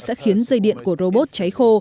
sẽ khiến dây điện của robot cháy khô